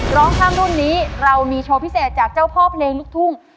ร้องข้ามรุ่นนี้เรามีโชว์พิเศษจากเจ้าพ่อเพลงลูกทุ่ง